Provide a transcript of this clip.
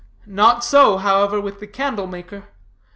Not so, however, with the candle maker.